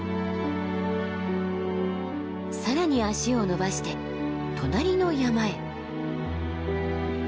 更に足を延ばして隣の山へ。